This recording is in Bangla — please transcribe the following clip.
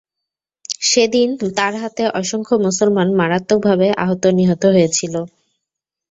সেদিন তার হাতে অসংখ্য মুসলমান মারাত্মকভাবে আহত-নিহত হয়েছিল।